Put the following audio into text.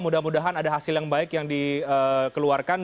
mudah mudahan ada hasil yang baik yang dikeluarkan